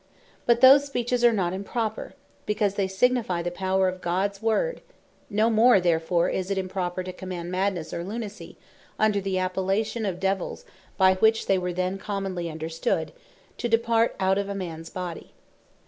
But those speeches are not improper, because they signifie the power of Gods Word: no more therefore is it improper, to command Madnesse, or Lunacy (under the appellation of Devils, by which they were then commonly understood,) to depart out of a mans body.